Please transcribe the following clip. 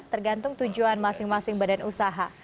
tergantung tujuan masing masing badan usaha